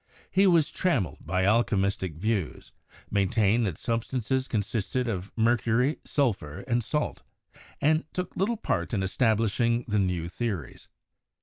He was tram 98 CHEMISTRY meled by alchemistic views, maintained that substances consisted of mercury, sulphur, and salt, and took little part in establishing the new theories.